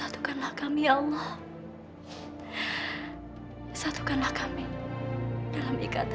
teman teman bisnis papa